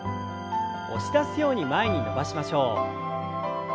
押し出すように前に伸ばしましょう。